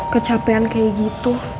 kecapean kayak gitu